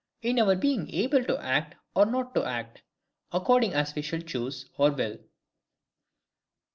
in our being able to act or not to act, according as we shall choose or will.